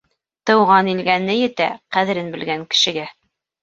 Тыуған илгә ни етә, ҡәҙерен белгән кешегә?